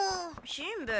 しんべヱ「